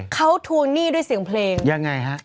เขาทวงหนี้ด้วยเสียงเพลงยังไงฮะ